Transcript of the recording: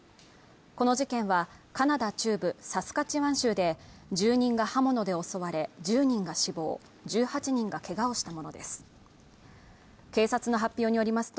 この事件はカナダ中部サスカチワン州で１０人が刃物で襲われ１０人が死亡１８人がけがをしたものです